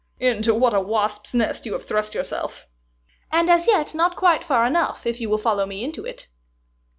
"Into what a wasp's nest you have thrust yourself!" "And as yet not quite far enough, if you will follow me into it."